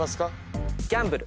ギャンブル。